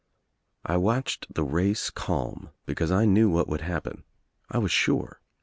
I watched the race calm because I knew what would happen. I was sure.